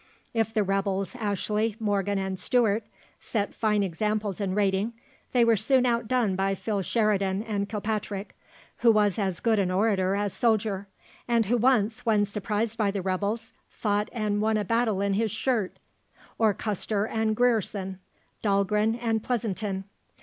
If the rebels Ashley, Morgan, and Stewart set fine examples in raiding, they were soon outdone by Phil Sheridan and Kilpatrick who was as good an orator as soldier, and who once, when surprised by the rebels, fought and won a battle in his shirt or Custer and Grierson, Dahlgren and Pleasanton.